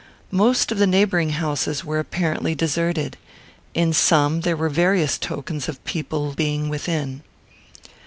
Most of the neighbouring houses were apparently deserted. In some there were various tokens of people being within.